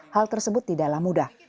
hal tersebut tidaklah mudah